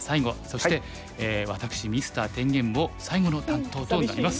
そして私Ｍｒ．天元も最後の担当となります。